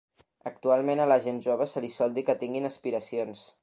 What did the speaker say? Actualment a la gent jove se li sol dir que tinguin aspiracions.